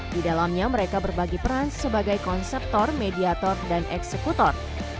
di dalamnya mereka berbagi peran sebagai konseptor mediator dan eksekutor